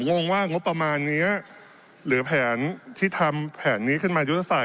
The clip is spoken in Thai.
งงว่างบประมาณนี้หรือแผนที่ทำแผนนี้ขึ้นมายุทธศาส